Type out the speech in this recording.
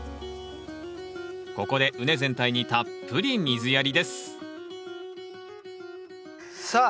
ここで畝全体にたっぷり水やりですさあ